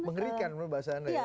mengerikan menurut bahasa anda ya